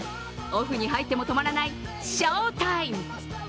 オフに入っても止まらない賞タイム。